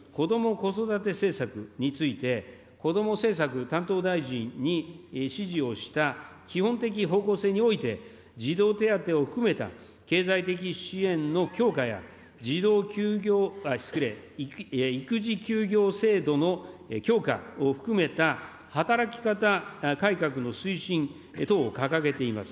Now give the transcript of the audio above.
子育て政策について、こども政策担当大臣に指示をした基本的方向性において、児童手当を含めた経済的支援の強化や、育児休業制度の強化を含めた働き方改革の推進等を掲げています。